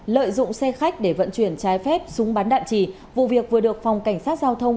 lợi dụng xe khách để vận chuyển trái phép súng bắn đạn trì vụ việc vừa được phòng cảnh sát giao thông